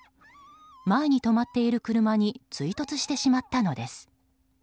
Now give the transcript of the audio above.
前に止まっている車に追突してしまったのです。